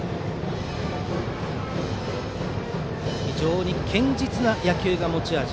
非常に堅実な野球が持ち味。